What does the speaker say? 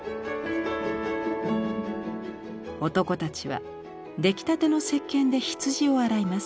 男たちは出来たてのせっけんで羊を洗います。